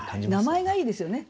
名前がいいですよね